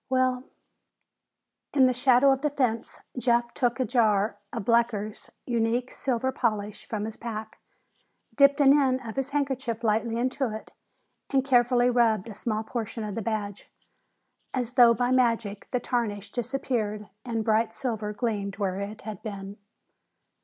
"Well " In the shadow of the fence, Jeff took a jar of Blecker's Unique Silver Polish from his pack, dipped an end of his handkerchief lightly into it, and carefully rubbed a small portion of the badge. As though by magic, the tarnish disappeared and bright silver gleamed where it had been.